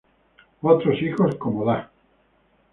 Otros hijos, como Da.